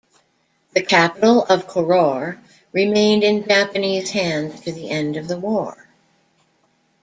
The capital of Koror remained in Japanese hands to the end of the war.